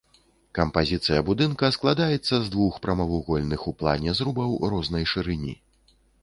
Кампазіцыя будынка складаецца з двух прамавугольных у плане зрубаў рознай шырыні.